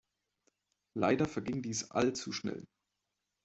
Leider verging dies all zu schnell.